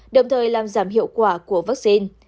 đồng thời làm giảm hiệu quả của vắc xin